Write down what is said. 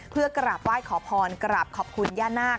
เพื่อกราบไหว้ขอพรกราบขอบคุณย่านาค